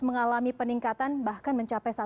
mengalami peningkatan bahkan mencapai